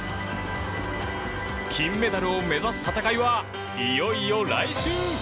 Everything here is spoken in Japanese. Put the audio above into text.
金メダルを目指す戦いはいよいよ来週！